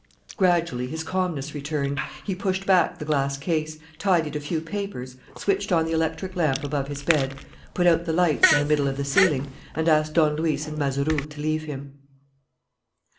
Gradually his calmness returned. He pushed back the glass case, tidied a few papers, switched on the electric lamp above his bed, put out the lights in the middle of the ceiling, and asked Don Luis and Mazeroux to leave him.